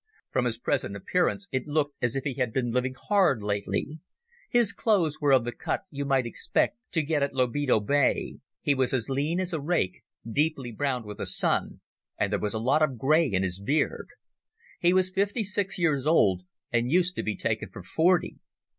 From his present appearance it looked as if he had been living hard lately. His clothes were of the cut you might expect to get at Lobito Bay, he was as lean as a rake, deeply browned with the sun, and there was a lot of grey in his beard. He was fifty six years old, and used to be taken for forty.